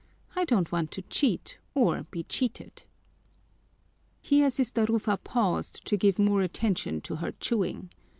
I don't want to cheat or be cheated." Here Sister Rufa paused to give more attention to her chewing.